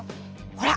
ほら！